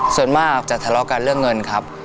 ส่วนมากจะทะเลาะกันเรื่องเงินครับ